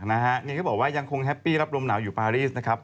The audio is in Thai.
นี่เขาบอกว่ายังคงแฮปปี้รับลมหนาวอยู่ปารีสนะครับ